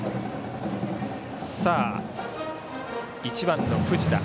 １番の藤田。